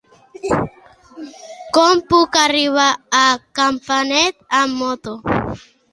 Com puc arribar a Campanet amb moto?